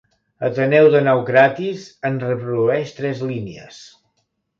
Ateneu de Naucratis en reprodueix tres línies.